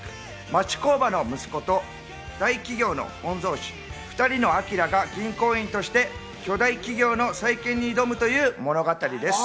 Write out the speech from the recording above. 町工場の息子と大企業の御曹司、２人のアキラが銀行員として巨大企業の再建に挑むという物語です。